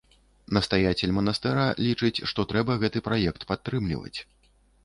Настаяцель манастыра лічыць, што трэба гэты праект падтрымліваць.